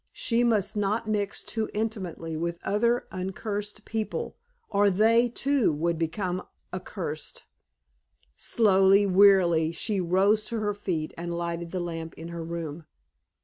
She must not mix too intimately with other uncursed people, or they, too, would become accursed. Slowly, wearily, she arose to her feet and lighted the lamp in her room.